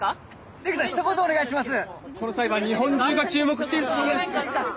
出口さんひと言お願いします。